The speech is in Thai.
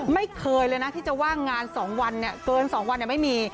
ไม่เคยเลยนะที่จะว่างงาน๒วันเกิน๒วันไม่มี